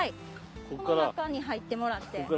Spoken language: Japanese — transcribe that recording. の中に入ってもらって。